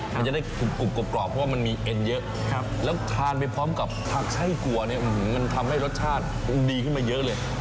มันจะได้กรุบกรอบเพราะว่ามันมีเอ็นเยอะแล้วทานไปพร้อมกับผักไช่กัวเนี่ยมันทำให้รสชาติคงดีขึ้นมาเยอะเลย